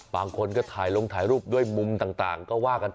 บางคนก็ถ่ายลงถ่ายรูปด้วยมุมต่างก็ว่ากันไป